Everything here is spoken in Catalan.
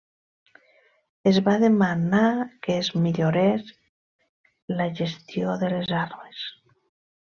Es va demanar que es millorés la gestió de les armes.